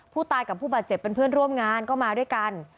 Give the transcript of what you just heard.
ผู้ตายกับผู้บาดเจ็บเป็นเพื่อนร่วมงานก็มาด้วยกัน